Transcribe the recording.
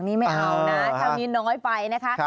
นี่ไม่เอานานครับนี้น้อยไปนะคะ